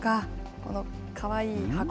このかわいい箱。